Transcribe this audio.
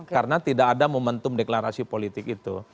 karena tidak ada momentum deklarasi politik itu